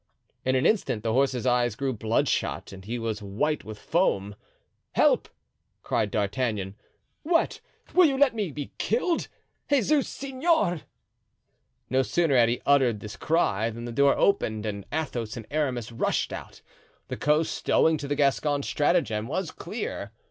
In an instant the horse's eyes grew bloodshot and he was white with foam. "Help!" cried D'Artagnan. "What! will you let me be killed? Jesus Seigneur!" No sooner had he uttered this cry than the door opened and Athos and Aramis rushed out. The coast, owing to the Gascon's stratagem, was clear.